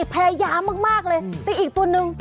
แพ้ย้ามากเลยแต่อีกตัวนึง